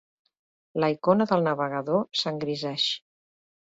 La icona del navegador s'engriseix.